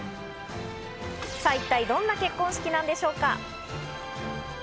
さぁ、一体どんな結婚式なんでしょうか？